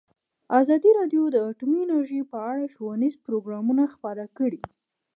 ازادي راډیو د اټومي انرژي په اړه ښوونیز پروګرامونه خپاره کړي.